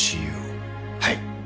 はい。